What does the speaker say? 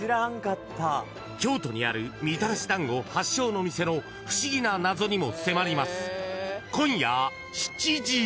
京都にあるみたらし団子発祥のお店の不思議な謎にも迫ります。